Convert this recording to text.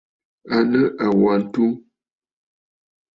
À nɨ àwa ǹtu.